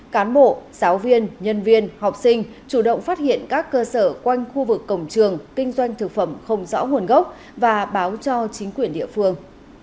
cán bộ giáo viên nhân viên học sinh chủ động phát hiện các cơ sở quanh khu vực cổng trường kinh doanh thực phẩm không rõ nguồn gốc và báo cho chính quyền địa phương